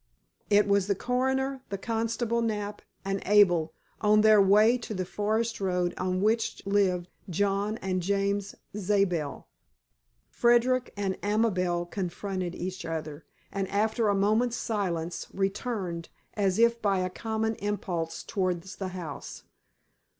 It was the coroner, the constable, Knapp, and Abel on their way to the forest road on which lived John and James Zabel. Frederick and Amabel confronted each other, and after a moment's silence returned as if by a common impulse towards the house.